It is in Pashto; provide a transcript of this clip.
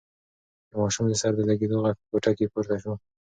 د ماشوم د سر د لگېدو غږ په کوټه کې پورته شو.